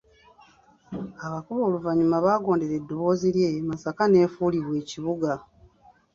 Abakulu oluvannyuma baagondera eddoboozi lye, Masaka n'efuulibwa ekibuga.